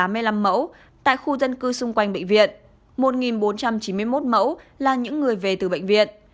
một ba trăm tám mươi năm mẫu tại khu dân cư xung quanh bệnh viện một bốn trăm chín mươi một mẫu là những người về từ bệnh viện